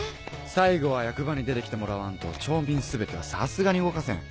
最後は役場に出て来てもらわんと町民全てはさすがに動かせん。